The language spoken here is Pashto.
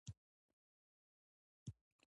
تر شپږ اووه ځله زیات زکریا په "ذ" لیکل شوی.